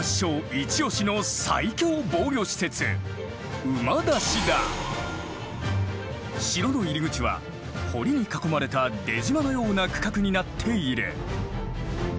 一押しの最強防御施設城の入り口は堀に囲まれた出島のような区画になっている。